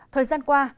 thời gian qua